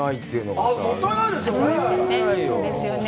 もったいないよね。